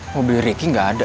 mobil riki gak ada